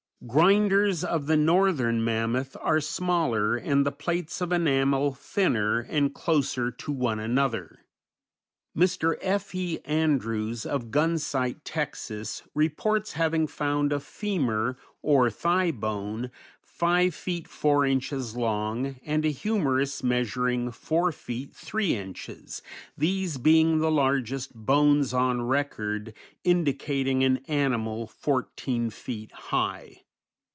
Grinders of the Northern Mammoth are smaller, and the plates of enamel thinner, and closer to one another. Mr. F. E. Andrews, of Gunsight, Texas, reports having found a femur, or thigh bone five feet four inches long, and a humerus measuring four feet three inches, these being the largest bones on record indicating an animal fourteen feet high.